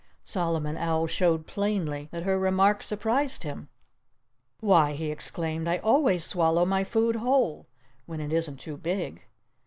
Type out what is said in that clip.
Solomon Owl showed plainly that her remark surprised him. "Why," he exclaimed, "I always swallow my food whole—when it isn't too big!"